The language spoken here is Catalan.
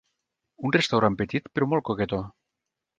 Un restaurant petit, però molt coquetó.